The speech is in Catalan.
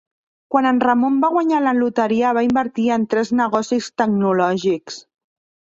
Quan en Ramon va guanyar la loteria va invertir en tres negocis tecnològics.